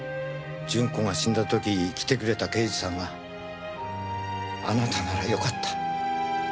順子が死んだ時来てくれた刑事さんがあなたならよかった。